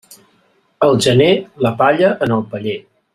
A gener, la palla en el paller.